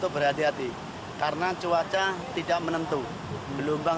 berapa meter mas